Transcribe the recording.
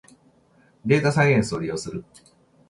データサイエンスを利用する